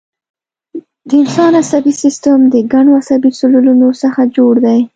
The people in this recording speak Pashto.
د انسان عصبي سیستم د ګڼو عصبي سلولونو څخه جوړ دی